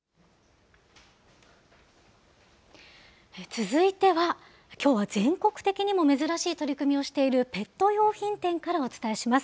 続いては、きょうは全国的にも珍しい取り組みをしているペット用品店からお伝えします。